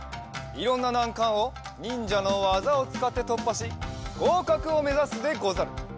いろんななんかんをにんじゃのわざをつかってとっぱしごうかくをめざすでござる！